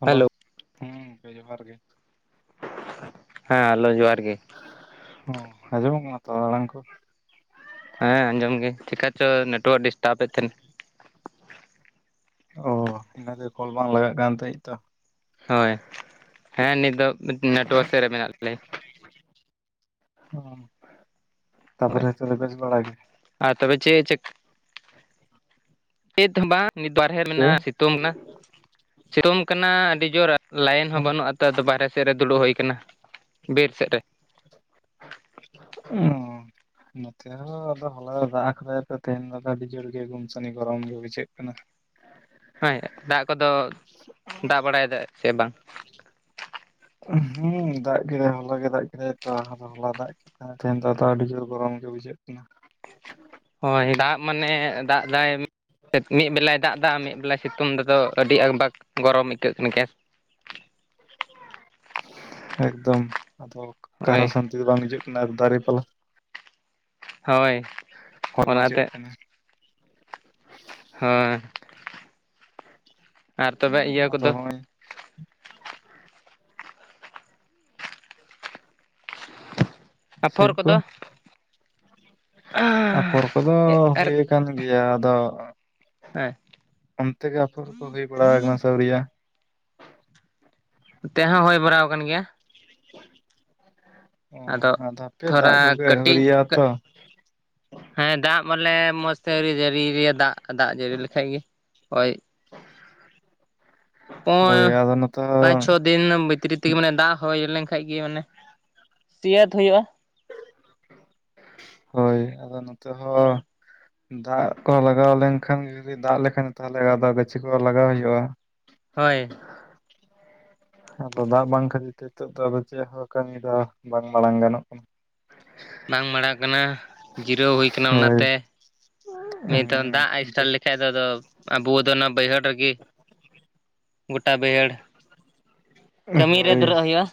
Hello, ᱦᱩᱸ ᱡᱚᱦᱟᱨ ᱜᱮ᱾ ᱦᱮᱸ ᱦᱮᱞᱳ, ᱡᱚᱦᱟᱨ ᱜᱮ᱾ ᱚ ᱟᱡᱚᱢᱚᱜ ᱠᱟᱱᱟ ᱛᱚ ᱟᱲᱟᱝ ᱠᱚ? ᱦᱮᱸ ᱟᱸᱡᱚᱢ ᱜᱮ ᱴᱷᱤᱠ ᱟᱪᱷᱚ ᱱᱮᱴᱣᱟᱨ ᱰᱤᱥᱴᱟᱵᱮᱫ ᱛᱟᱦᱮᱸᱱᱟ᱾ ᱚ ᱤᱱᱟᱹ ᱛᱮ ᱠᱚᱞ ᱵᱟᱝ ᱞᱟᱜᱟᱜ ᱠᱟᱱ ᱛᱟᱦᱮᱸᱜ ᱛᱚ᱾ ᱦᱳᱭ, ᱦᱮᱸ ᱱᱤᱛ ᱫᱚ ᱱᱟᱴᱩᱣᱟᱨᱠ ᱥᱮᱫ ᱨᱮ ᱢᱮᱱᱟᱜ ᱛᱟᱞᱮ᱾ ᱛᱟᱯᱚᱨ ᱦᱳᱭ ᱛᱮ ᱵᱮᱥ ᱵᱟᱲᱟ ᱜᱮ᱾ ᱟᱨ ᱛᱚᱵᱮ [unintelligible] ᱪᱮᱫ ᱦᱚᱸ ᱵᱟᱝ ᱱᱤᱛ ᱵᱟᱨᱦᱮ ᱪᱮ ᱢᱮᱱᱟᱜᱼᱟ᱾ [unintelligible] ᱱᱟ ᱥᱤᱛᱩᱝ ᱠᱟᱱᱟ ᱟᱹᱰᱤ ᱡᱳᱨ ᱞᱟᱭᱤᱱ ᱚ ᱦᱚᱸ ᱵᱟᱹᱱᱩᱜᱼᱟ᱾ ᱛᱚ ᱟᱫᱚ ᱵᱟᱨ ᱦᱮ ᱥᱮᱫ ᱨᱮ ᱫᱩᱲᱩᱵ ᱦᱳᱭ ᱠᱟᱱᱟ ᱵᱤᱨ ᱥᱮᱫ ᱨᱮ᱾ ᱚᱻ᱾ ᱱᱚᱛᱮ ᱦᱚᱸ ᱟᱫᱚ ᱦᱚᱞᱟᱭ ᱫᱟᱜ ᱠᱟᱫᱟᱭ ᱛᱚ ᱛᱮᱦᱮᱧ ᱫᱚ ᱟᱹᱰᱤ ᱡᱳᱨ ᱜᱮ ᱜᱩᱢᱥᱟᱱᱤ ᱜᱚᱨᱚᱢ ᱜᱮ ᱵᱩᱡᱷᱟᱹᱜ ᱠᱟᱱᱟ᱾ [inaudible] [unintelligible] ᱫᱟᱜ ᱠᱚᱫᱚ ᱫᱟᱜ ᱵᱟᱲᱟᱭᱮᱫᱟ ᱥᱮ ᱵᱟᱝ? ᱦᱮᱸ ᱫᱟᱜ ᱜᱮ ᱦᱚᱞᱟ ᱜᱮ ᱫᱟᱜ ᱠᱮᱫᱟᱭ ᱛᱚ ᱦᱚᱞᱟ ᱫᱟᱜ ᱦᱮᱸ ᱛᱮᱦᱮᱧ ᱫᱚ ᱟᱹᱰᱤ ᱡᱳᱨ ᱜᱚᱨᱚᱢ ᱜᱮ ᱵᱩᱡᱷᱟᱹᱜ ᱠᱤᱱᱟ᱾ ᱦᱳᱭ ᱫᱟᱜ ᱢᱟᱱᱮ ᱫᱟᱜ ᱫᱟᱭ ᱢᱤᱫ ᱵᱮᱞᱟᱭ ᱫᱟᱜ ᱫᱟ ᱢᱤᱫ ᱵᱮᱞᱟᱭ ᱥᱤᱛᱩᱝ ᱫᱟ ᱟᱫᱚ ᱟᱹᱰᱤ ᱟᱠᱵᱟᱠ ᱜᱚᱨᱚᱢ ᱟᱹᱭᱠᱟᱹᱜ ᱠᱟᱱ ᱜᱮᱥ᱾ ᱮᱠᱫᱚᱢ ᱚᱠᱟ ᱦᱳᱭ ᱨᱮᱦᱚ ᱥᱟᱱᱛᱤ ᱫᱚ ᱵᱟᱝ ᱦᱤᱡᱩᱜ ᱠᱟᱱᱟ ᱫᱟᱨᱮ ᱯᱟᱞᱟ ᱦᱳᱭ᱾ ᱦᱳᱭ ᱵᱟᱝ ᱚᱱᱟᱛᱮ ᱵᱩᱡᱷᱟᱹᱜ ᱠᱟᱱᱟ᱾ ᱦᱳᱭ ᱟᱨ ᱛᱚᱵᱮ ᱤᱭᱟᱹ ᱟᱫᱚ ᱠᱚᱫᱚ ᱦᱚᱸᱜᱼᱚᱭ ᱟᱯᱷᱚᱨ ᱥᱤᱵ ᱠᱚ ᱠᱚᱫᱚ ᱟᱯᱷᱚᱨ ᱠᱚᱫᱚ ᱟᱨ ᱦᱳᱭ ᱠᱟᱱ ᱜᱮᱭᱟ ᱟᱫᱚ ᱦᱮᱸ ᱚᱱᱛᱮ ᱜᱮ ᱟᱯᱷᱚᱨ ᱠᱚ ᱦᱩᱭ ᱵᱟᱲᱟ ᱠᱟᱱᱟ ᱥᱮ ᱟᱣᱨᱤᱭᱟ? ᱮᱱ ᱛᱮ ᱦᱚᱸ ᱦᱳᱭ ᱵᱟᱲᱟᱣ ᱠᱟᱱ ᱜᱮᱭᱟ᱾ ᱚ ᱟᱫᱚ ᱦᱟᱯᱮ ᱛᱷᱚᱲᱟ ᱫᱟᱜ ᱠᱚᱜᱮ ᱠᱟᱹᱴᱤᱡ ᱟᱣᱨᱤᱭᱟ ᱛᱚ᱾ ᱦᱮᱸ ᱫᱟᱜ ᱢᱟᱱᱮ ᱢᱚᱸᱡᱽ ᱛᱮ ᱟᱹᱣᱨᱤ ᱡᱟᱹᱲᱤᱭ ᱫᱟᱜ ᱫᱟᱜ ᱡᱟᱹᱲᱤ ᱞᱮᱠᱷᱟᱡ ᱜᱮ ᱳᱭ [inaudible] ᱚ ᱦᱳᱭ ᱟᱫᱚ ᱱᱚᱛᱮ ᱯᱟᱸᱪ ᱦᱚᱸ ᱪᱷᱚ ᱫᱤᱱ ᱵᱷᱤᱛᱨᱤ ᱛᱮᱜᱮ ᱢᱟᱱᱮ ᱫᱟᱜ ᱦᱳᱭ ᱞᱮᱱ ᱠᱷᱟᱱ ᱜᱮ ᱢᱟᱱᱮ [unintelligible] ᱦᱩᱭᱩᱜᱼᱟ᱾ ᱦᱳᱭ ᱟᱫᱚ ᱱᱚᱛᱮ ᱦᱚᱸ ᱫᱟᱜ ᱠᱚ ᱞᱟᱜᱟᱣ ᱞᱮᱱᱠᱷᱟᱱ ᱡᱩᱫᱤ ᱫᱟᱜ ᱞᱮᱠᱷᱟᱱ ᱛᱟᱦᱚᱞᱮ ᱟᱫᱚ ᱜᱟᱹᱪᱷᱤ ᱠᱚ ᱞᱟᱜᱟᱣ ᱦᱩᱭᱩᱜᱼᱟ᱾ ᱦᱳᱭ᱾ ᱟᱫᱚ ᱫᱟᱜ ᱵᱟᱝ ᱠᱷᱟᱹᱛᱤᱨ ᱛᱮ ᱱᱤᱛᱚᱜ ᱫᱚ ᱪᱮᱫ ᱦᱚᱸ ᱠᱟᱹᱢᱤ ᱫᱚ ᱵᱟᱝ ᱢᱟᱲᱟᱝ ᱜᱟᱱᱚᱜ ᱠᱟᱱᱟ᱾ ᱵᱟᱝ ᱢᱟᱲᱟᱣ ᱠᱟᱱᱟ ᱡᱤᱨᱟᱹᱣ ᱦᱩᱭ ᱠᱟᱱᱟ ᱦᱳᱭ ᱚᱱᱟᱛᱮ ᱱᱛᱮ ᱦᱩᱸ ᱫᱟᱜ ᱮᱥᱴᱟᱨ ᱞᱮᱠᱷᱟᱱ ᱫᱚ ᱟᱵᱩ ᱫᱚ ᱚᱱᱟ ᱵᱟᱭᱦᱟᱹᱲᱨᱮ ᱜᱚᱴᱟ ᱵᱟᱹᱭᱦᱟᱹᱲ ᱠᱟᱹᱢᱤ ᱨᱮ ᱦᱳᱭ ᱫᱷᱩᱨᱟᱜ ᱦᱩᱭᱩᱜᱼᱟ᱾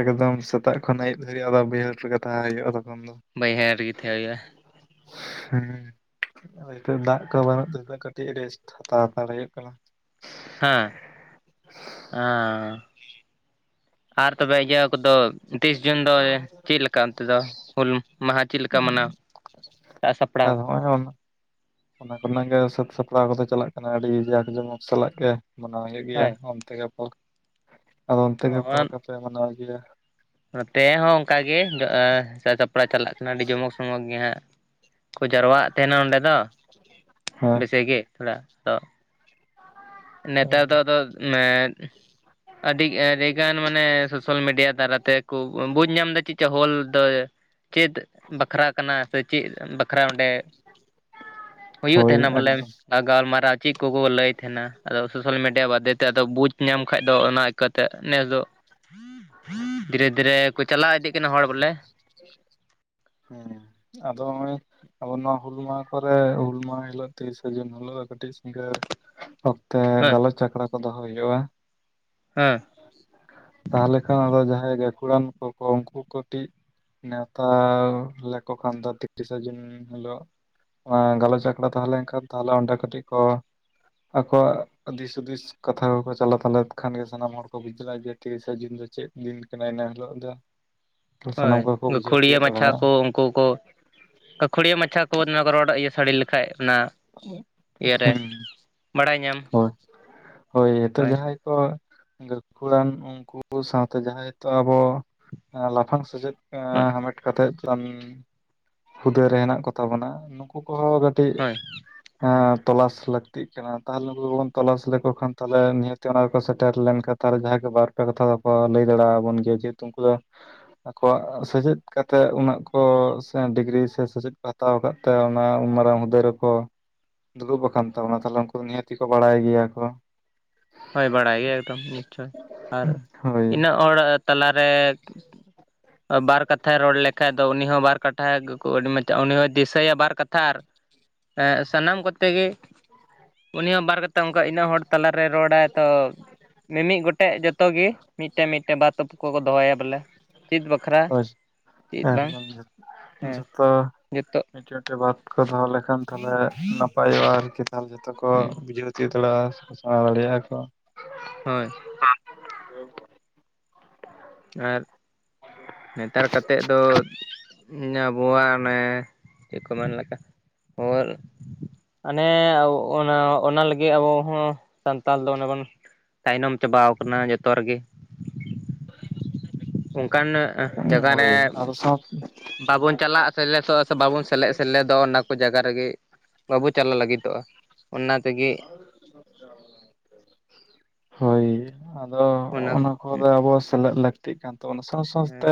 ᱮᱠᱫᱚᱢ ᱥᱮᱛᱟᱜ ᱠᱷᱚᱱ ᱟᱭᱩᱵ ᱫᱷᱟᱹᱨᱤᱡ ᱟᱫᱚ ᱵᱟᱹᱭᱦᱟᱹᱲ ᱨᱮᱜᱮ ᱛᱟᱦᱮᱸ ᱦᱩᱭᱩᱜᱼᱟ ᱛᱚᱠᱷᱚᱱ ᱫᱚ᱾ ᱵᱟᱹᱭᱦᱟᱹᱲ ᱨᱮᱜᱮ ᱛᱟᱦᱮᱸ ᱦᱩᱭᱩᱜᱼᱟ᱾ ᱦᱮᱸ᱾ ᱱᱤᱛ ᱫᱟᱜ ᱠᱚ ᱵᱟᱹᱱᱩᱜ ᱛ ᱱᱤᱛ ᱠᱟᱹᱴᱤᱡ ᱨᱮᱥᱴ ᱦᱟᱛᱟᱣ ᱦᱟᱛᱟᱲ ᱦᱩᱭᱩᱜ ᱠᱟᱱᱟ᱾ ᱦᱮᱸ ᱟᱸ᱾ ᱟᱨ ᱛᱚᱵᱮ ᱤᱭᱟᱹ ᱠᱚᱫᱚ ᱛᱤᱥ ᱡᱩᱱ ᱫᱚ ᱪᱮᱫ ᱞᱮᱠᱟ ᱚᱱᱛᱮ ᱫᱚ? ᱦᱩᱞ ᱢᱟᱦᱟ ᱪᱮᱫ ᱞᱮᱠᱟ ᱢᱟᱱᱟᱣ ᱥᱟᱜᱥᱟᱯᱲᱟᱣ? [unintelligible] ᱚᱱᱟ ᱠᱚᱨᱮᱱᱟᱜ ᱜᱮ ᱥᱟᱹᱛ ᱥᱟᱯᱲᱟᱣ ᱠᱚᱫᱚ ᱪᱟᱞᱟᱜ ᱠᱟᱱᱟ ᱟᱹᱰᱤ ᱡᱟᱠ ᱡᱚᱢᱚᱠ ᱥᱟᱞᱟᱜ ᱜᱮ᱾ ᱢᱟᱱᱟᱣ ᱦᱩᱭᱩᱜ ᱜᱮᱭᱟ ᱦᱳᱭ ᱚᱱᱛᱮ ᱜᱮ ᱯᱷ ᱟᱫᱚ ᱚᱱᱛᱮ ᱜᱮ ᱯᱷᱞ ᱞᱮᱠᱟᱯᱮ ᱢᱟᱱᱟᱣ ᱜᱮᱭᱟ? ᱱᱚᱛᱮ ᱦᱚᱸ ᱚᱱᱠᱟ ᱜᱮ ᱥᱟ ᱥᱟᱯᱲᱟᱣ ᱪᱟᱞᱟᱜ ᱠᱟᱱᱟ ᱟᱹᱰᱤ ᱡᱚᱢᱚᱠ ᱥᱚᱢᱚᱠ ᱜᱮ ᱦᱟᱸᱜ᱾ ᱠᱚ ᱡᱟᱨᱚᱣᱣᱟᱜ ᱛᱟᱦᱮᱱᱟ ᱚᱸᱰᱮ ᱫᱚ ᱦᱮᱸ ᱵᱮᱥᱤ ᱜᱮ ᱛᱷᱟᱲᱟ ᱛᱚ ᱱᱮᱛᱟᱨ ᱫᱚ ᱟᱫᱚ ᱢᱮᱫ ᱟᱹᱰᱤ ᱟᱹᱰᱤ ᱜᱟᱱ ᱢᱟᱱᱮ ᱥᱳᱥᱟᱞ ᱢᱤᱰᱤᱭᱟ ᱫᱟᱨᱟ ᱛᱮᱠᱩ ᱵᱩᱡᱽ ᱧᱟᱢ ᱮᱫᱟ ᱪᱮᱫᱠᱟ ᱦᱚᱞ ᱫᱚ ᱪᱮᱫ ᱵᱟᱠᱷᱨᱟ ᱠᱟᱱᱟ ᱥᱮ ᱪᱮᱫ ᱵᱟᱠᱷᱨᱟ ᱚᱸᱰᱮ ᱦᱩᱭᱩᱜ ᱦᱳᱭ ᱛᱟᱦᱮᱱᱟ ᱵᱚᱞᱮ ᱮᱠᱫᱚᱢ ᱜᱟᱞᱢᱟᱨᱟᱣ ᱪᱮᱫ ᱠᱚᱠᱚ ᱞᱟᱹᱭ ᱛᱟᱦᱮᱱᱟ ᱟᱫᱚ ᱥᱳᱥᱟᱞ ᱢᱤᱰᱤᱭᱟ ᱵᱟᱫᱷᱮᱛᱮ ᱟᱫᱚ ᱵᱩᱡᱽ ᱧᱟᱢ ᱠᱷᱟᱡ ᱫᱚ ᱚᱱᱟ ᱠᱟ ᱱᱮᱥ ᱫᱚ ᱫᱷᱤᱨᱮ ᱫᱷᱤᱨᱮ ᱠᱚ ᱪᱟᱞᱟᱣ ᱤᱫᱤᱜ ᱠᱟᱱᱟ ᱦᱚᱲ ᱵᱚᱞᱮ᱾ ᱦᱮᱸ ᱟᱫᱚ ᱱᱚᱜᱼᱚᱭ ᱟᱵ ᱱᱚᱣᱟ ᱦᱩᱞᱢᱟᱟᱦ ᱠᱚᱨᱮ ᱦᱩᱞ ᱢᱟᱦᱟ ᱦᱤᱞᱳᱜ ᱛᱤᱨᱤᱥ ᱡᱩᱱ ᱦᱤᱞᱳᱜ ᱠᱟᱴᱤᱡ ᱥᱤᱜᱟᱨ ᱚᱠ ᱛᱮ ᱦᱮᱸ ᱜᱟᱞᱚᱪ ᱟᱠᱷᱲᱟ ᱠᱚ ᱫᱚᱦᱚ ᱦᱩᱭᱩᱜᱼᱟ᱾ ᱦᱮᱸ᱾ ᱛᱟᱦᱚᱞᱮ ᱠᱷᱟᱱ ᱟᱫᱚ ᱡᱟᱦᱟᱸᱭ ᱜᱟᱹᱠᱷᱩᱲᱟᱱ ᱠᱚᱠᱚ ᱩᱱᱠᱩ ᱠᱟᱹᱴᱤᱡ ᱱᱮᱶᱛᱟ ᱞᱮᱠᱚ ᱠᱷᱟᱱ ᱫᱚ ᱛᱤᱨᱤᱥᱟ ᱡᱩᱱ ᱦᱤᱞᱳ ᱜᱟᱞᱚᱪ ᱟᱠᱷᱲᱟ ᱛᱟᱦᱮᱸ ᱞᱮᱱᱠᱷᱟᱱ ᱛᱟᱦᱚᱞᱮ ᱚᱸᱰᱮ ᱠᱟᱹᱴᱤᱡ ᱠᱚ ᱟᱠᱚᱣᱟᱜ ᱫᱤᱥ ᱦᱩᱫᱤᱥ ᱠᱟᱛᱷᱟ ᱠᱚᱠᱚ ᱪᱟᱞᱟᱣ ᱛᱟᱞᱮᱫ ᱠᱷᱟᱱ ᱜᱮ ᱥᱟᱱᱟᱢ ᱦᱚᱲ ᱠᱚ ᱵᱩᱡᱟᱹᱣ ᱡᱮ ᱛᱨᱤᱥ ᱡᱩᱱ ᱫᱤᱱ ᱫᱚ ᱪᱮᱫ ᱫᱤᱱ ᱠᱟᱱᱟ ᱤᱱᱟᱹ ᱦᱤᱞᱳᱜ ᱫᱚ᱾ ᱥᱟᱱᱟᱢ ᱦᱳᱭ ᱠᱚᱠᱚ ᱵᱩᱡᱷᱟᱹᱣ ᱜᱟᱹᱠᱷᱩᱲᱤᱭᱟᱹ ᱛᱤᱭᱳᱜ ᱢᱟᱪᱷᱟ ᱫᱟᱲᱮᱭᱟᱜᱼᱟ ᱠᱚ ᱩᱱᱠᱩ ᱠᱚ ᱜᱟᱹᱠᱷᱩᱲᱤᱭᱟᱹ ᱢᱟᱪᱷᱟ ᱠᱚ ᱱᱚᱣᱟ ᱠᱚ ᱨᱚᱲ ᱤᱭᱟᱹ ᱥᱟᱹᱲᱤ ᱞᱮᱠᱷᱟᱡ ᱚᱱᱟ ᱤᱭᱟᱹᱨᱮ ᱦᱩᱸ ᱵᱟᱲᱟᱭ ᱧᱟᱢ ᱦᱳᱭ ᱦᱳᱭ ᱱᱤᱛᱚ ᱡᱟᱦᱟᱸᱭ ᱜᱟᱹᱠᱷᱩᱲᱟᱱ ᱩᱱᱠᱩ ᱥᱟᱶᱛᱮ ᱡᱟᱦᱟᱸᱭᱤᱛᱚᱜ ᱟᱵᱚ ᱞᱟᱯᱷᱟᱝ ᱥᱮᱪᱮᱫ ᱦᱟᱢᱮᱴ ᱠᱟᱛᱮᱜ ᱦᱩᱫᱟᱹᱨ ᱨᱮ ᱦᱮᱱᱟᱜ ᱠᱚᱛᱟ ᱵᱚᱱᱟ ᱱᱩᱠᱩ ᱠᱚᱦᱚᱸ ᱠᱟᱹᱴᱤᱡ ᱦᱳᱭ ᱮᱸ ᱛᱚᱞᱟᱥ ᱞᱟᱹᱠᱛᱤᱜ ᱠᱟᱱᱟ ᱛᱟᱦᱚᱞᱮ ᱩᱱᱠᱩ ᱜᱮᱵᱚᱱ ᱛᱚᱞᱟᱥ ᱞᱮᱠᱚ ᱠᱷᱟᱱ ᱛᱟᱦᱚᱞᱮ ᱱᱤᱦᱟᱹ ᱚᱱᱟᱠᱚ ᱥᱮᱴᱮᱨ ᱞᱮᱱᱠᱷᱟᱱ᱾ ᱟᱨᱮ ᱡᱟᱦᱟᱸᱭ ᱠᱚ ᱵᱟᱨᱯᱮ ᱠᱟᱛᱷᱟ ᱫᱚᱠᱚ ᱞᱟᱹᱭ ᱫᱟᱲᱮ ᱟᱵᱚᱱ ᱜᱮᱭᱟ ᱡᱮᱛᱩ ᱩᱱᱠᱩ ᱫᱚ ᱟᱠᱚᱣᱟᱜ ᱥᱮᱪᱮᱫ ᱠᱟᱛᱮᱜ ᱩᱱᱟᱹᱜ ᱠᱚ ᱰᱤᱜᱽᱨᱤ ᱥᱮ ᱥᱮᱪᱮᱫ ᱠᱚ ᱦᱟᱛᱟᱣ ᱟᱠᱟᱫ ᱚᱱᱟ ᱩᱢ ᱢᱟᱨᱟᱝ ᱦᱩᱫᱟᱹᱭ ᱨᱮᱠᱚ ᱫᱩᱲᱩᱵ ᱟᱠᱟᱱ ᱛᱟᱵᱚᱱᱟ ᱛᱟᱦᱚᱞᱮ ᱩᱱᱠᱩ ᱫᱚ ᱱᱤᱦᱟᱹᱛᱤ ᱠᱚ ᱵᱟᱲᱟᱭ ᱜᱮᱭᱟ ᱠᱚ᱾ ᱦᱳᱭ ᱵᱟᱲᱟᱭ ᱜᱮ ᱮᱠᱫᱚᱢ ᱱᱤᱥᱪᱭ ᱟᱨ ᱦᱳᱭ ᱤᱱᱟᱹᱜ ᱦᱚᱲᱟᱜ ᱛᱟᱞᱟᱨᱮ ᱵᱟᱨ ᱠᱟᱛᱷᱟᱭ ᱨᱚᱲ ᱞᱮᱠᱷᱟᱡ ᱫᱚ ᱩᱱᱤ ᱦᱚᱸ ᱵᱟᱨ ᱠᱟᱴᱷᱟ ᱜᱮᱠᱚ ᱟᱹᱰᱤ ᱢᱪᱟ ᱩᱱᱤ ᱦᱚᱸ ᱫᱤᱥᱟᱹᱭᱟ ᱵᱟᱨ ᱠᱟᱛᱷᱟ ᱟᱨ ᱥᱟᱱᱟᱢ ᱠᱚᱛᱮ ᱜᱮ ᱩᱱᱤ ᱦᱚᱸ ᱵᱟᱨ ᱠᱟᱛᱮ ᱚᱱᱠᱟ ᱤᱱᱟᱹᱜ ᱦᱚᱲ ᱛᱟᱞᱟᱨᱮ ᱨᱚᱲᱟᱭ ᱛᱚ ᱢᱤᱢᱤᱫ ᱜᱚᱴᱮᱡ ᱡᱚᱛᱚ ᱜᱮ ᱢᱤᱫᱴᱮᱱ ᱢᱤᱫᱴᱮᱱ ᱵᱟ ᱛᱩᱯ ᱠᱚᱠᱚ ᱫᱚᱦᱚᱭᱟ ᱵᱚᱞᱮ᱾ ᱪᱮᱫ ᱵᱟᱠᱷᱨᱟ ᱦᱳᱭ ᱪᱮᱫ ᱵᱟᱝ ᱮᱠᱫᱚᱢ ᱡᱷᱚᱛᱚ ᱦᱮᱸ ᱪᱮᱫ ᱡᱚᱛᱚ ᱢᱮᱫᱴᱮᱱ ᱵᱟᱫ ᱠᱚ ᱫᱚᱦᱚ ᱞᱮᱠᱷᱟᱱ ᱛᱟᱦᱚᱞᱮ ᱱᱟᱯᱟᱭᱚᱜᱼᱟ ᱟᱨᱠᱤ ᱛᱟᱦᱚᱞᱮ ᱡᱚᱷᱛᱚ ᱠᱚ ᱦᱩᱸ ᱵᱩᱡᱷᱟᱹᱣ ᱩᱪᱩᱭ ᱥᱮᱬᱟ ᱥᱮᱬᱟ ᱫᱟᱲᱮᱭᱟᱜᱼᱟ ᱠᱚ᱾ ᱦᱳᱭ᱾ ᱟᱨ ᱱᱮᱛᱟᱨ ᱠᱟᱛᱮᱫ ᱫᱚ ᱟᱵᱚᱣᱟᱜ ᱚᱱᱮ ᱪᱮᱫ ᱠᱚ ᱢᱮᱱᱮᱫ ᱠᱟᱱ ᱦᱚᱨ ᱚᱱᱮ ᱚᱱᱟ ᱚᱱᱟ ᱞᱟᱹᱜᱤᱫ ᱟᱵᱚ ᱦᱚᱸ ᱥᱟᱱᱛᱟᱲ ᱫᱚ ᱚᱱᱮ ᱵᱚᱱ ᱛᱟᱭᱱᱚᱢ ᱪᱟᱵᱟᱣ ᱠᱟᱱᱟ ᱡᱚᱛᱚ ᱨᱮᱜᱮ᱾ [inaudible] ᱚᱱᱠᱟᱱ ᱡᱟᱭᱜᱟ ᱨᱮ ᱦᱳᱭ ᱟᱫᱚ ᱥᱟᱶ ᱵᱟᱵᱚᱱ ᱪᱟᱞᱟᱜ ᱥᱮᱞᱮᱥᱚᱜᱼᱟ ᱥᱮ ᱵᱟᱵᱚᱱ ᱥᱮᱞᱮᱜ ᱥᱮᱞᱮᱫᱚᱜᱼᱟ ᱚᱱᱟ ᱠᱚ ᱡᱟᱭᱜᱟ ᱨᱮᱜᱮ ᱵᱟᱵᱚ ᱪᱟᱞᱟᱜ ᱞᱟᱹᱜᱤᱫᱚᱜᱼᱟ ᱚᱱᱟ ᱛᱮᱜᱮ ᱦᱳᱭ ᱟᱫᱚ ᱚᱱᱟ ᱠᱚᱨᱮ ᱟᱵᱚ ᱥᱮᱞᱮᱫ ᱞᱟᱹᱠᱛᱤᱜ ᱠᱟᱱ ᱛᱟᱵᱚᱱᱟ, ᱥᱟᱶ ᱥᱟᱶᱛᱮ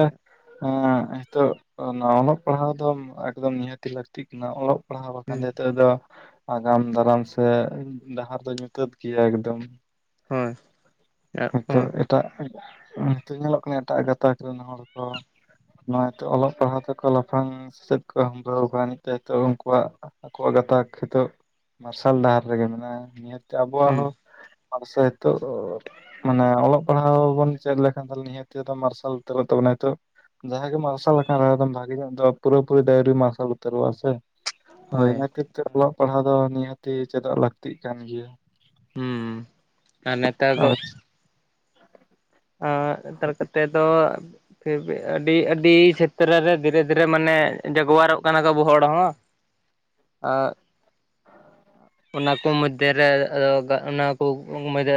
ᱦᱮᱸ ᱦᱤᱸᱛᱳᱜ ᱚᱱᱟ ᱚᱞᱚᱜ ᱯᱟᱲᱦᱟᱣ ᱫᱚ ᱮᱠᱫᱚᱢ ᱱᱤᱦᱟᱹᱛᱤ ᱞᱟᱹᱠᱛᱤᱜ ᱠᱟᱱᱟ ᱚᱞᱚᱜ ᱯᱟᱲᱦᱟᱣ ᱵᱟᱠᱷᱟᱱ ᱱᱤᱛᱚᱜ ᱫᱚ ᱟᱜᱟᱢ ᱫᱟᱨᱟᱢ ᱥᱮ ᱰᱟᱦᱟᱨ ᱫᱚ ᱧᱩᱛᱟᱹᱛ ᱜᱮᱭᱟ ᱮᱠᱫᱚᱢ᱾ ᱦᱳᱭ᱾ ᱦᱳᱭᱛᱳ ᱮᱴᱟᱜ ᱦᱤᱸᱛᱳᱜ ᱧᱮᱞᱚᱜ ᱠᱟᱱᱟ ᱮᱴᱟᱜ ᱜᱟᱛᱟᱠ ᱨᱮᱱ ᱦᱚᱲ ᱠᱚ ᱱᱚᱜᱼᱚᱭ ᱛᱚ ᱚᱞᱚᱜ ᱯᱟᱲᱦᱟᱜ ᱛᱮᱠᱚ ᱞᱟᱯᱷᱟᱝ ᱥᱮᱫ ᱠᱚ ᱦᱟᱹᱢᱵᱲᱟᱹᱣ ᱠᱟᱜ ᱱᱤᱡ ᱛᱚ ᱩᱱᱠᱩᱣᱟᱜ ᱟᱠᱚᱣᱟᱜ ᱜᱟᱛᱟᱠ ᱦᱤᱸᱛᱚᱜ ᱢᱟᱨᱥᱟᱞ ᱰᱟᱦᱟᱨ ᱨᱮᱜᱮ ᱢᱮᱱᱟᱜᱼᱟ ᱱᱤᱭᱟᱹ ᱟᱵᱚ ᱦᱩᱸ ᱦᱚᱸ ᱢᱟᱱᱮ ᱥᱮᱭ ᱛᱚ ᱢᱟᱱᱮ ᱚᱞᱚᱜ ᱯᱟᱲᱦᱟᱣ ᱵᱚᱱ ᱪᱮᱫ ᱞᱮᱠᱷᱟᱱ ᱱᱤᱦᱟᱹᱛᱤ ᱢᱟᱨᱥᱟᱞ ᱩᱛᱟᱹᱨᱚᱜ ᱛᱟᱵᱚᱱᱟ ᱦᱤᱸᱛᱚᱜ᱾ ᱡᱟᱦᱟᱸ ᱜᱮ ᱢᱟᱨᱥᱟᱞ ᱟᱠᱟᱱ ᱮᱠᱫᱚᱢ ᱵᱷᱟᱜᱤ ᱧᱚᱜ ᱫᱚ ᱯᱩᱨᱟᱹᱯᱩᱨᱤ ᱫᱚ ᱟᱹᱣᱨᱤ ᱢᱟᱨᱥᱟᱞ ᱩᱛᱟᱹᱨᱚᱜᱼᱟ ᱥᱮ᱾ ᱦᱳᱭ ᱚᱱᱟ ᱠᱷᱟᱹᱛᱤᱨ ᱛᱮ ᱚᱞᱚᱜ ᱯᱟᱲᱦᱟᱜ ᱫᱚ ᱱᱤᱦᱟᱹᱛᱤ ᱪᱮᱫᱚᱜ ᱞᱟᱹᱠᱛᱤᱜ ᱠᱟᱱ ᱜᱮᱭᱟ᱾ ᱦᱩᱸ ᱟᱨ ᱱᱮᱛᱟᱨ ᱫᱚ [inaudible] ᱟ ᱛᱟᱨ ᱠᱚᱛᱮ ᱫᱚ ᱯᱷᱤᱨ ᱵᱷᱤ ᱟᱹᱰᱤ ᱟᱹᱰᱤ ᱪᱷᱮᱛᱨᱚ ᱨᱮ ᱫᱷᱤᱨᱮ ᱫᱷᱤᱨᱮ ᱢᱟᱱᱮ ᱡᱟᱜᱩᱣᱟᱨᱚᱜ ᱠᱟᱱᱟ ᱠᱚ ᱟᱵᱚ ᱦᱚᱲ ᱦᱚᱸ᱾ ᱟᱻ ᱚᱱᱟ ᱠᱚ ᱢᱚᱫᱽᱫᱷᱮ ᱨᱮ ᱟᱫᱚ ᱚᱱᱟ ᱠᱚ ᱢᱚᱫᱽᱫᱷᱮ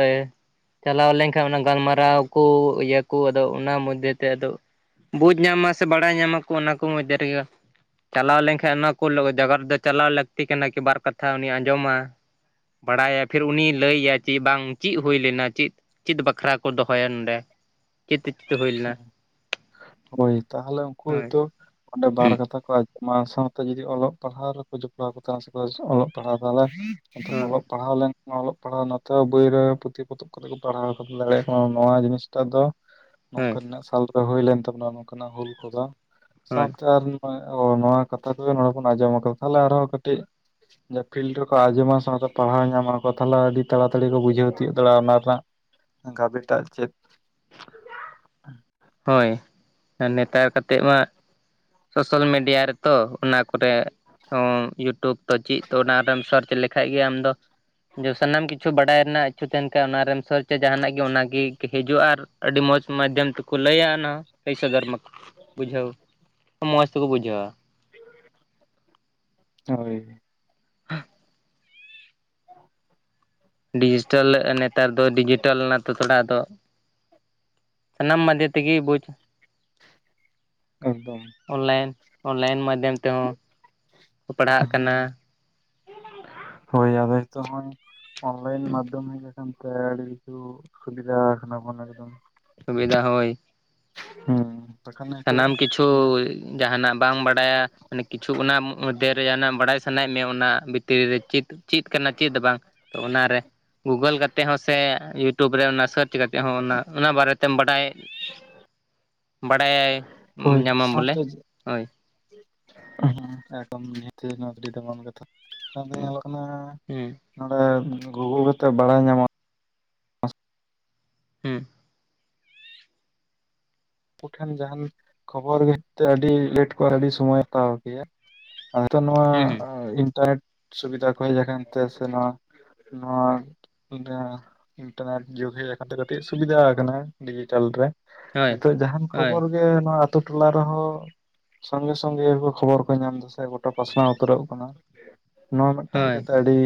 ᱪᱟᱞᱟᱣ ᱞᱮᱱᱠᱷᱟᱱ ᱚᱱᱟ ᱜᱟᱞᱢᱟᱨᱟᱣ ᱠᱚ ᱤᱭᱟᱹ ᱠᱚ ᱟᱫᱚ ᱚᱱᱟ ᱢᱚᱫᱽᱫᱷᱮ ᱛᱮ ᱟᱫᱚ ᱵᱩᱡᱽ ᱧᱟᱢᱟ ᱥᱮ ᱵᱟᱲᱟᱭ ᱧᱟᱢ ᱟᱠᱚ ᱚᱱᱟ ᱠᱚ ᱢᱚᱫᱽᱫᱷᱮ ᱨᱮᱜᱮ᱾ ᱪᱟᱞᱟᱣ ᱞᱮᱱᱠᱷᱟᱡ ᱚᱱᱟ ᱠᱚ ᱡᱟᱭᱜᱟ ᱨᱮᱫᱚ ᱪᱟᱞᱟᱣ ᱞᱟᱹᱠᱛᱤ ᱠᱟᱱᱟ, ᱠᱤ ᱵᱟᱨ ᱠᱟᱛᱷᱟ ᱩᱱᱤ ᱟᱸᱡᱚᱢᱟ᱾ ᱵᱟᱲᱟᱭᱟ ᱯᱷᱤᱨ ᱩᱱᱤ ᱞᱟᱹᱭᱟᱭ ᱪᱤᱜ ᱵᱟᱝ ᱪᱤᱫ ᱦᱩᱭ ᱞᱮᱱᱟ ᱪᱤᱫ ᱪᱤᱫ ᱵᱟᱠᱷᱨᱟ ᱠᱚ ᱫᱚᱦᱚᱭᱟ ᱱᱚᱰᱮ? ᱪᱤᱫ ᱦᱚᱛᱮᱡ ᱛᱮ ᱦᱩᱭ ᱞᱮᱱᱟ? ᱦᱳᱭ ᱛᱟᱦᱚᱞᱮ ᱩᱱᱠᱩ ᱦᱳᱭ᱾ ᱦᱚᱭᱛᱳ ᱚᱸᱰᱮ ᱵᱟᱨ ᱠᱟᱛᱷᱟ ᱠᱚ ᱢᱟᱱᱮ ᱥᱟᱶᱛᱮ ᱡᱩᱫᱤ ᱚᱞᱚᱜ ᱯᱟᱲᱦᱟᱣ ᱨᱮᱠᱚ ᱡᱚᱯᱲᱟᱣ ᱠᱚ ᱛᱟᱦᱮᱱᱟ ᱥᱮᱠᱚ ᱚᱞᱚᱜ ᱯᱟᱲᱦᱟᱣ ᱛᱟᱦᱚᱞᱮ ᱦᱳᱭ ᱚᱞᱚᱜ ᱯᱟᱲᱦᱟᱣ ᱞᱮᱱᱠᱷᱟᱱ ᱚᱞᱚᱜ ᱯᱟᱲᱦᱟᱣ ᱱᱟᱛᱮ ᱵᱳᱭ ᱨᱮ ᱯᱩᱛᱷᱤ ᱯᱚᱛᱚᱵ ᱠᱚᱛᱮ ᱠᱚ ᱯᱟᱲᱦᱟᱣ ᱠᱟᱛᱮᱫ ᱠᱚ ᱫᱟᱲᱮᱭᱟᱠᱚ ᱢᱟ, ᱱᱚᱣᱟ ᱡᱤᱱᱤᱥᱴᱟᱜ ᱫᱚ ᱦᱳᱭ ᱱᱚᱝᱠᱟ ᱱᱤᱱᱟᱹᱜ ᱥᱟᱞ ᱨᱮ ᱦᱩᱭ ᱞᱮᱱ ᱛᱟᱵᱚᱱᱟ, ᱱᱚᱝᱠᱟᱱᱟᱜ ᱦᱩᱞ ᱠᱚᱫᱚ ᱦᱳᱭ ᱥᱟᱶᱛᱮ ᱟᱨ ᱱᱚᱜ-ᱚᱭ ᱱᱚᱶᱟ ᱠᱟᱛᱷᱟ ᱠᱚᱜᱮ ᱱᱚᱰᱮ ᱵᱚᱱ ᱟᱸᱡᱚᱢ ᱟᱠᱟᱫᱟ, ᱛᱟᱦᱚᱞᱮ ᱟᱨᱦᱚᱸ ᱠᱟᱹᱴᱤᱡ ᱯᱷᱤᱞᱰ ᱨᱮᱠᱚ ᱟᱸᱡᱚᱢᱟ ᱥᱟᱶᱛᱮ ᱯᱟᱲᱦᱟᱣ ᱧᱟᱢᱟ ᱠᱚ ᱛᱟᱦᱚᱞᱮ ᱟᱹᱰᱤ ᱛᱟᱲᱟᱛᱟᱲᱤ ᱠᱚ ᱵᱩᱡᱷᱟᱹᱣ ᱛᱤᱭᱳᱜ ᱫᱟᱲᱮᱭᱟᱜᱼᱟ ᱚᱱᱟ ᱨᱮᱱᱟᱜ᱾ ᱜᱟᱵᱮ ᱴᱟᱜ ᱪᱮᱫ? [inaudible] ᱦᱚᱭ ᱟᱨ ᱱᱮᱛᱟᱨ ᱠᱟᱛᱮᱫ ᱢᱟ ᱥᱚᱥᱟᱞ ᱢᱤᱰᱤᱭᱟ ᱨᱮᱛᱚ ᱚᱱᱟ ᱠᱚᱨᱮ ᱤᱭᱩᱴᱩᱵᱽ ᱛᱚ ᱪᱮᱫ ᱛᱚ ᱚᱱᱟᱨᱮᱢ ᱥᱟᱨᱪ ᱞᱮᱠᱷᱟᱡ ᱜᱮ ᱟᱢᱫᱚ ᱡᱮ ᱥᱟᱱᱟᱢ ᱠᱤᱪᱷᱩ ᱵᱟᱰᱟᱭ ᱨᱮᱱᱟᱜ ᱤᱪᱪᱷᱩ ᱛᱟᱦᱮᱱ ᱠᱷᱟᱡ ᱚᱱᱟᱨᱮᱢ ᱥᱟᱨᱪᱟ ᱡᱟᱦᱟᱱᱟᱜ ᱜᱮ ᱚᱱᱟᱜᱮ ᱦᱤᱡᱩᱜᱼᱟ ᱟᱨ ᱟᱹᱰᱤ ᱢᱚᱸᱡᱽ ᱢᱟᱫᱽᱫᱷᱚᱢ ᱛᱮ ᱠᱚ ᱞᱟᱹᱭᱟ ᱚᱱᱟ ᱞᱟᱹᱭ ᱥᱚᱫᱚᱨ ᱢᱟᱠᱚ ᱵᱩᱡᱷᱟᱹᱣ ᱢᱚᱸᱡᱽ ᱛᱮᱠᱚ ᱵᱩᱡᱷᱟᱹᱣᱟ᱾ ᱦᱟᱭ᱾ [inaudible] ᱰᱤᱡᱤᱴᱮᱞ ᱱᱮᱛᱟᱨ ᱫᱚ ᱰᱤᱡᱤᱴᱮᱞ ᱱᱟᱛᱚ ᱛᱷᱚᱲᱟ ᱟᱫᱚ ᱥᱟᱱᱟᱢ ᱢᱟᱫᱷᱮ ᱛᱮᱜᱮ ᱵᱩᱡᱽ ᱮᱠᱫᱚᱢ᱾ ᱚᱱᱞᱟᱭᱤᱱ ᱚᱱᱞᱟᱭᱤᱱ ᱢᱟᱫᱽᱫᱷᱚᱢ ᱛᱮᱦᱚᱸ᱾ ᱯᱟᱲᱦᱟᱜ ᱦᱩᱸ ᱠᱟᱱᱟ ᱦᱚᱭ ᱟᱫᱚ ᱦᱤᱛᱚᱜ ᱦᱚᱸᱭ ᱚᱱᱞᱟᱭᱤᱱ ᱢᱟᱫᱽᱫᱷᱚᱢ ᱦᱮᱡ ᱠᱟᱱ ᱛᱮ ᱟᱰᱤ ᱠᱤᱪᱷᱩ ᱥᱩᱵᱤᱫᱷᱟ ᱠᱟᱱᱟ ᱵᱚᱱ ᱮᱠᱫᱚᱢ᱾ ᱥᱩᱵᱤᱫᱷᱟ ᱦᱚᱭ᱾ ᱦᱩᱸ᱾ ᱥᱟᱱᱟᱢ ᱠᱤᱪᱷᱩ ᱡᱟᱦᱟᱱᱟᱜ ᱵᱟᱝ ᱵᱟᱰᱟᱭᱟ ᱢᱟᱱᱮ ᱠᱤᱪᱷᱩ ᱚᱱᱟ ᱢᱚᱫᱽᱫᱷᱮᱨᱮ ᱡᱟᱦᱱᱟᱜ ᱵᱟᱰᱟᱭ ᱥᱟᱱᱟᱭᱮᱫ ᱢᱮᱭᱟ ᱚᱱᱟ ᱵᱷᱤᱛᱤᱨ ᱨᱮ ᱪᱮᱫ ᱪᱮᱫ ᱠᱟᱱᱟ ᱪᱮᱫ ᱵᱟᱝ ᱛᱚ ᱚᱱᱟᱨᱮ ᱜᱩᱜᱟᱞ ᱠᱟᱛᱮ ᱦᱚᱸ ᱥᱮ ᱤᱭᱩ ᱴᱩᱵᱽ ᱨᱮ ᱚᱱᱟ ᱥᱟᱨᱪ ᱠᱟᱛᱮᱫ ᱦᱚᱸ ᱚᱱᱟ ᱚᱱᱟ ᱵᱟᱨᱮᱛᱮᱢ ᱵᱟᱰᱟᱭ ᱵᱟᱰᱟᱭ ᱧᱟᱢᱟᱢ ᱵᱚᱞᱮ ᱦᱚᱭ᱾ ᱦᱮᱸ ᱮᱠᱫᱚᱢ ᱱᱤᱦᱟᱹᱛᱤ ᱱᱚᱣᱟ ᱫᱚ ᱟᱹᱰᱤ ᱫᱟᱢᱟᱱ ᱠᱟᱛᱷᱟ, ᱱᱮᱛᱟᱨ ᱫᱚ ᱦᱩᱸ ᱧᱮᱞᱚᱜ ᱠᱟᱱᱟ ᱦᱩᱸ ᱱᱚᱸᱰᱮ ᱜᱩᱜᱩᱞ ᱠᱟᱛᱮᱫ ᱵᱟᱰᱟᱭ ᱧᱟᱢᱚᱜᱼᱟ᱾ ᱦᱩᱸ᱾ ᱩᱱᱠᱩ ᱴᱷᱮᱱ ᱡᱟᱦᱟᱱ ᱠᱷᱚᱵᱚᱨ ᱦᱮᱡ ᱛᱮ ᱟᱹᱰᱤ ᱞᱮᱴ ᱠᱚ ᱟᱹᱰᱤ ᱥᱚᱢᱚᱭ ᱦᱟᱛᱟᱣ ᱜᱮᱭᱟ᱾ ᱱᱤᱛᱚᱜ ᱱᱚᱣᱟ ᱦᱩᱸ ᱦᱩᱸ ᱤᱱᱴᱟᱨᱱᱮᱴ ᱥᱩᱵᱤᱫᱷᱟ ᱠᱚ ᱦᱮᱡ ᱟᱠᱟᱱ ᱛᱮ ᱥᱮ ᱱᱚᱣᱟ ᱱᱚᱣᱟ [unintelligible] ᱤᱱᱴᱟᱨᱱᱮᱴ ᱡᱩᱜᱽ ᱦᱮᱡ ᱟᱠᱟᱱ ᱠᱟᱹᱴᱤᱡ ᱥᱩᱵᱤᱫᱟ ᱟᱠᱟᱱᱟ ᱰᱤᱡᱤᱴᱟᱞ ᱨᱮ ᱦᱳᱭ ᱱᱤᱛᱚᱜ ᱡᱟᱦᱟᱱ ᱦᱳᱭ ᱠᱷᱚᱵᱚᱨ ᱜᱮ ᱱᱚᱣᱟ ᱟᱹᱛᱩ ᱴᱚᱞᱟ ᱨᱮᱦᱚᱸ ᱥᱚᱸᱜᱮ ᱥᱚᱸᱜᱮ ᱠᱷᱚᱵᱚᱨ ᱠᱚ ᱧᱟᱢ ᱮᱫᱟᱥᱮ ᱜᱚᱴᱟ ᱯᱟᱥᱱᱟᱣ ᱩᱛᱟᱹᱨᱚᱜ ᱠᱟᱱᱟ᱾ ᱱᱚᱣᱟ ᱢᱤᱫ ᱛᱟᱦᱮᱸ ᱠᱟᱛᱮᱫ ᱦᱳᱭ ᱟᱹᱰᱤ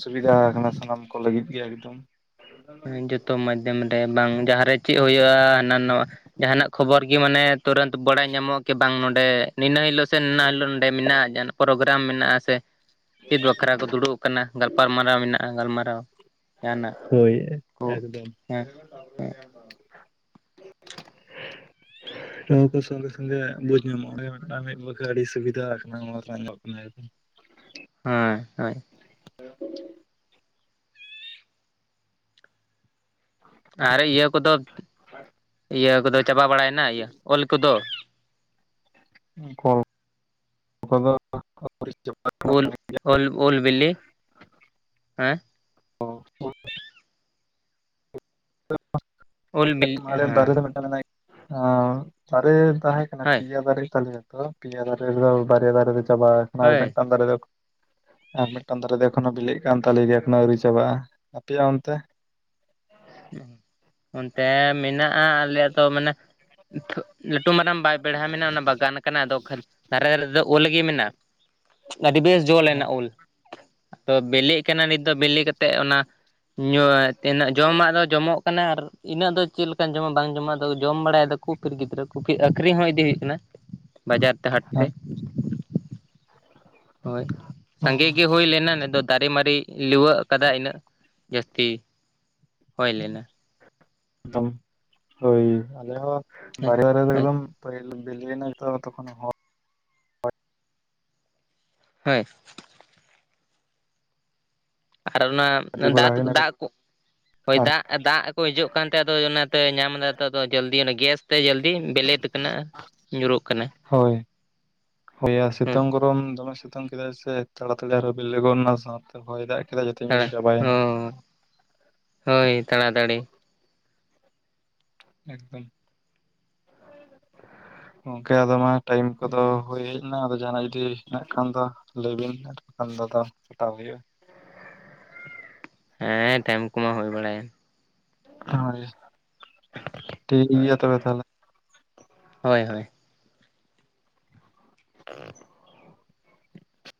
ᱥᱩᱵᱤᱫᱷᱟ ᱟᱠᱟᱱᱟ ᱥᱟᱱᱟᱢ ᱠᱚ ᱞᱟᱹᱜᱤᱫ ᱜᱮ ᱮᱠᱫᱚᱢ᱾ ᱡᱚᱛᱚ ᱢᱟᱫᱽᱫᱷᱚᱢ ᱨᱮ ᱵᱟᱝ ᱡᱟᱦᱟᱸᱨᱮ ᱪᱮᱫ ᱦᱩᱭᱩᱜᱼᱟ ᱦᱟᱱᱟ ᱱᱚᱣᱟ ᱡᱟᱦᱟᱸᱱᱟᱜ ᱠᱷᱚᱵᱚᱨ ᱜᱮ ᱢᱟᱱᱮ ᱛᱩᱨᱟᱹᱱᱛ ᱵᱟᱰᱟᱭ ᱧᱟᱢᱚᱜᱼᱟ ᱠᱤ ᱵᱟᱝ ᱱᱚᱸᱰᱮ ᱱᱤᱱᱟᱹ ᱦᱤᱞᱚᱜ ᱥᱮ ᱱᱤᱱᱟᱹ ᱦᱤᱞᱚᱜ ᱱᱚᱸᱰᱮ ᱢᱮᱱᱟᱜᱼᱟ ᱡᱟᱦᱟᱸ ᱯᱨᱚᱜᱨᱟᱢ ᱢᱮᱱᱟᱜᱼᱟ ᱥᱮ ᱪᱮᱫ ᱵᱟᱠᱷᱨᱟ ᱠᱚ ᱫᱩᱲᱩᱵ ᱟᱠᱟᱱᱟ ᱜᱟᱞᱯᱟᱞᱢᱟᱨᱟᱣ ᱢᱮᱱᱟᱜᱼᱟ ᱜᱟᱞᱢᱟᱨᱟᱣ ᱡᱟᱦᱟᱱᱟᱜ᱾ ᱦᱚᱭ ᱠᱚ ᱮᱠᱫᱚᱢ᱾ ᱦᱮᱸ᱾ [unintelligible] ᱱᱚᱣᱟ ᱠᱚ ᱥᱚᱸᱜᱮ ᱥᱚᱸᱜᱮ ᱵᱩᱡᱽ ᱧᱟᱢᱚᱜ ᱜᱮ ᱢᱤᱫ ᱵᱟᱠᱷᱮ ᱟᱹᱰᱤ ᱥᱩᱵᱤᱫᱷᱟ ᱟᱠᱟᱱᱟ [unintelligible] ᱧᱚᱜ ᱠᱟᱱᱟ᱾ ᱦᱮᱸ ᱦᱚᱭ᱾ ᱦᱮᱸ᱾ ᱟᱨ ᱤᱭᱟᱹ ᱠᱚᱫᱚ ᱤᱭᱟᱹ ᱠᱚᱫᱚ ᱪᱟᱵᱟ ᱵᱟᱲᱟᱭᱮᱱᱟ ᱤᱭᱟᱹ ᱚᱞ ᱠᱚᱫᱚ? ᱠᱚᱫᱚᱜ [unintelligible] ᱩᱞ ᱩᱞᱵᱤᱞᱤ ᱦᱮᱸ᱾ [unintelligible] ᱳᱞ ᱵᱤᱞᱤ ᱫᱟᱨᱮ ᱦᱮᱸ ᱫᱚ ᱢᱤᱫᱴᱟᱝ ᱢᱮᱱᱟᱭ ᱟᱸ ᱫᱟᱨᱮ ᱛᱟᱦᱮᱸ ᱠᱟᱱᱟ ᱦᱳᱭ ᱯᱤᱭᱟ ᱫᱟᱨᱮ ᱛᱟᱞᱮᱭᱟ ᱛᱚ ᱯᱤᱭᱟ ᱫᱟᱨᱮ ᱨᱮᱫᱚ ᱵᱟᱨᱭᱟ ᱫᱟᱨᱮ ᱫᱚ ᱪᱟᱵᱟᱣ ᱠᱟᱱᱟ, ᱟᱨ ᱦᱳᱭ ᱢᱤᱫᱴᱟᱝ ᱫᱟᱨᱮ [unintelligible] ᱟᱨ ᱢᱤᱫᱴᱟᱝ ᱫᱟᱨᱮ ᱫᱚ ᱮᱠᱷᱚᱱᱳ ᱵᱤᱞᱤᱜ ᱠᱟᱱ ᱛᱟᱞᱮ ᱜᱮᱭᱟ ᱮᱠᱷᱚᱱᱳ ᱟᱹᱣᱨᱤ ᱪᱟᱵᱟᱜᱼᱟ, ᱟᱯᱮᱭᱟᱜ ᱚᱱᱛᱮ? ᱚᱱᱛᱮ ᱢᱮᱱᱟᱜᱼᱟ ᱟᱞᱮᱭᱟᱜ ᱫᱚ ᱢᱟᱱᱮ [unintelligible] ᱞᱟᱹᱴᱩ ᱢᱟᱨᱟᱝ ᱵᱟᱭ ᱵᱮᱲᱦᱟᱭ ᱢᱮᱱᱟᱜᱼᱟ ᱚᱱᱟ ᱵᱟᱜᱟᱱ ᱠᱟᱱᱟ ᱟᱫᱚ ᱠᱷᱟᱹ ᱫᱷᱟᱨᱮ ᱨᱮᱫᱚ ᱩᱞ ᱜᱮ ᱢᱮᱱᱟᱜᱼᱟ ᱟᱹᱰᱤ ᱵᱮᱥ ᱡᱚ ᱞᱮᱱᱟ ᱩᱞ ᱟᱫᱚ ᱵᱮᱞᱮᱜ ᱠᱟᱱᱟ ᱱᱤᱛ ᱫᱚ ᱵᱮᱞᱮ ᱠᱟᱛᱮᱜ ᱚᱱᱟ ᱧᱩ ᱛᱤᱱᱟᱜ ᱡᱚᱢᱟᱜ ᱫᱚ ᱡᱚᱢᱚᱜ ᱠᱟᱱᱟ ᱟᱨ ᱤᱱᱟᱹᱜ ᱫᱚ ᱪᱮᱫ ᱞᱮᱠᱟᱹᱧ ᱡᱚᱢᱟ ᱵᱟᱝ ᱡᱚᱢᱟ ᱫᱚ ᱡᱚᱢ ᱵᱟᱲᱟᱭᱮᱫᱟ ᱠᱩ ᱯᱷᱤᱨ ᱜᱤᱫᱽᱨᱟᱹ ᱠᱩ ᱯᱷᱤᱨ ᱟᱹᱠᱷᱨᱤᱧ ᱦᱚᱸ ᱤᱫᱤ ᱦᱩᱭᱩᱜ ᱠᱟᱱᱟ ᱵᱟᱡᱟᱨ ᱛᱮ ᱦᱟᱴ ᱛᱮ ᱦᱳᱭ, ᱥᱟᱸᱜᱮ ᱜᱮ ᱦᱳᱭ ᱞᱮᱱᱟ ᱱᱮᱫᱚ ᱫᱟᱨᱮ ᱢᱟᱨᱤ ᱞᱤᱣᱟᱹᱜ ᱠᱟᱫᱟ ᱤᱱᱟᱹᱜ ᱡᱟᱹᱥᱛᱤ ᱦᱳᱭ ᱞᱮᱱᱟ ᱮᱠᱫᱚᱢ ᱦᱳᱭ ᱟᱞᱮ ᱦᱚᱸ ᱦᱮᱸ [unintelligible] ᱫᱚ ᱦᱳᱭ ᱮᱠᱫᱚᱢ ᱯᱟᱹᱦᱤᱞ ᱵᱤᱞᱤᱮᱱᱟ ᱛᱚᱠᱷᱚᱱ ᱦᱚ ᱦᱳᱭ ᱟᱨ ᱚᱱᱟ ᱤᱫᱤ ᱵᱟᱲᱟ ᱫᱟᱜᱛᱩ ᱦᱩᱭᱱᱟ ᱫᱟᱜ ᱠᱟᱹᱴᱤᱡ ᱦᱳᱭ ᱟᱨ ᱫᱟᱜ ᱫᱟᱜ ᱠᱚ ᱦᱤᱡᱩᱜ ᱠᱟᱱᱛᱮ ᱟᱫᱚ ᱚᱱᱟᱛᱮ ᱧᱟᱢᱫᱟ ᱟᱫᱚ ᱡᱟᱞᱫᱤ ᱚᱱᱟ ᱜᱮᱥ ᱛᱮ ᱡᱟᱹᱞᱫᱤ ᱵᱮᱞᱮᱛ ᱠᱟᱱᱟ ᱧᱩᱨᱩᱜ ᱠᱟᱱᱟ ᱦᱳᱭ ᱦᱳᱭᱟ ᱦᱮᱸ ᱥᱤᱛᱩᱝ ᱜᱚᱨᱚᱢ ᱫᱚᱢᱮ ᱥᱤᱛᱩᱝ ᱠᱮᱫᱟᱭ ᱥᱮ ᱛᱟᱲᱟᱛᱟᱹᱲᱤ ᱟᱨᱦᱚ ᱵᱮᱞᱮ ᱜᱚᱫᱱᱟ ᱥᱟᱶᱛᱮ ᱦᱚᱭ ᱫᱟᱜ ᱠᱮᱫᱟᱭ ᱡᱷᱚᱛᱚ ᱧᱩᱨ ᱛᱟᱲᱟ ᱪᱟᱵᱟᱭᱮᱱᱟ ᱦᱳᱭ ᱦᱳᱭ ᱛᱟᱲᱟᱛᱟᱹᱲᱤ ᱮᱠᱫᱚᱢ, ᱜᱚᱝᱠᱮ ᱟᱫᱚ ᱢᱟ ᱴᱟᱭᱤᱢ ᱠᱚᱫᱚ ᱦᱩᱭ [unintelligible] ᱟᱫᱚ ᱡᱟᱦᱟᱸᱱᱟᱜ ᱡᱩᱫᱤ ᱦᱮᱱᱟᱜ ᱠᱷᱟᱱ ᱫᱚ ᱞᱟᱹᱭᱵᱤᱱ ᱠᱷᱟᱱ ᱫᱚ ᱟᱫᱚ ᱠᱟᱴᱟᱣ ᱦᱩᱭᱩᱜᱼᱟ ᱦᱮᱸ ᱴᱟᱭᱤᱢ ᱠᱚᱢᱟ ᱦᱩᱭ ᱵᱟᱲᱟᱭᱮᱱ ᱦᱳᱭ, ᱴᱷᱤᱠ ᱦᱳᱭ ᱜᱮᱭᱟ ᱛᱚᱵᱮ ᱛᱟᱦᱞᱮ ᱦᱳᱭ ᱦᱳᱭ ᱚ [unintelligible]